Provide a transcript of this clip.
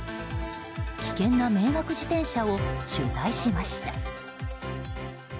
危険な迷惑自転車を取材しました。